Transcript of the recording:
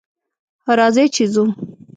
راځئ چې ځو!